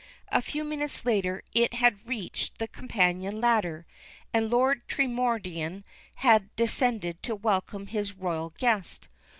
A few minutes later it had reached the companion ladder, and Lord Tremorden had descended to welcome his Royal guest.